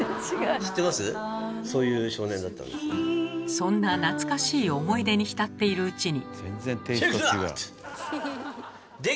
そんな懐かしい思い出に浸っているうちに。